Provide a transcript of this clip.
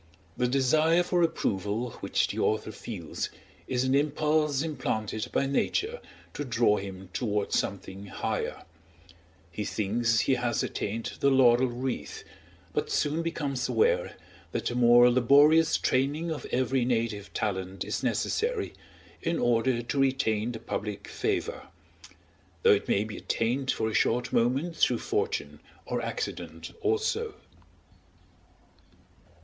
The desire for approval which the author feels is an impulse implanted by Nature to draw him toward something higher; he thinks he has attained the laurel wreath, but soon becomes aware that a more laborious training of every native talent is necessary in order to retain the public favor; though it may be attained for a short moment through fortune or accident also.